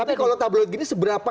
tapi kalau tablot gini seberapa